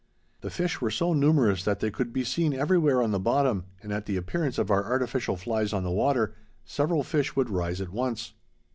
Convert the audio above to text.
The fish were so numerous that they could be seen everywhere on the bottom, and at the appearance of our artificial flies on the water, several fish would rise at once.